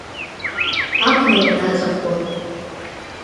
Абна уанаҵәахуа…